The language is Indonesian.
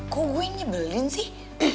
kok gue nyebelin sih